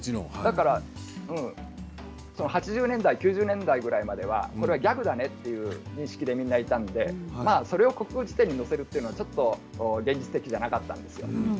だから８０年代、９０年代ぐらいまでは、これはギャグだねという認識で、みんないたのでそれを国語辞典に載せるというのは、ちょっと現実的ではなかったんですよ。